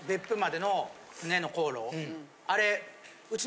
あれ。